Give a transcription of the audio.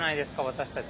私たち。